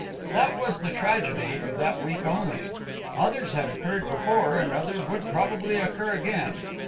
That was the tragedy of that week only. Others had occurred before and others would probably occur again.